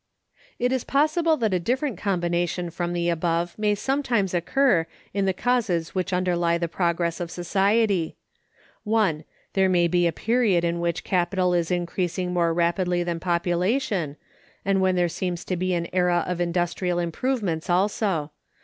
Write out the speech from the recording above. It is possible that a different combination from the above may sometimes occur in the causes which underlie the progress of society: (1.) There may be a period in which capital is increasing more rapidly than population, and when there seems to be an era of industrial improvements also.